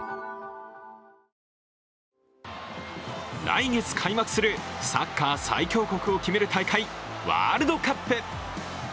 来月開幕する、サッカー最強国を決める大会、ワールドカップ！